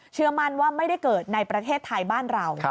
เชื่อมั่นว่าไม่ได้เกิดในประเทศไทยบ้านเรา